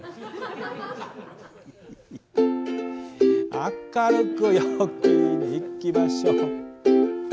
「明るく陽気にいきましょう」